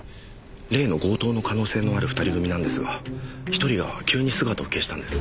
例の強盗の可能性のある二人組なんですが１人が急に姿を消したんです。